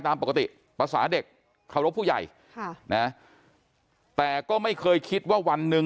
ตามปกติภาษาเด็กขอรบผู้ใหญ่แต่ก็ไม่เคยคิดว่าวันนึง